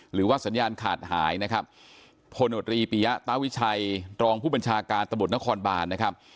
หรือว่าสัญญาณขาดหายนะครับพลโนตรีปียะตาวิชัยรองผู้บัญชาการตำรวจนครบานนะครับ